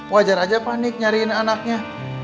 wajar aja pak nik nyariin anaknya